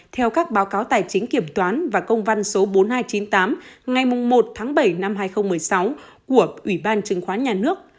theo các báo cáo tài chính kiểm toán và công văn số bốn nghìn hai trăm chín mươi tám ngày một tháng bảy năm hai nghìn một mươi sáu của ủy ban chứng khoán nhà nước